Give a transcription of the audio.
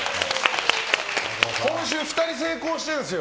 今週２人成功してるんですよ。